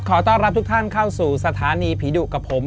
ขอต้อนรับทุกท่านเข้าสู่สถานีผีดุกับผม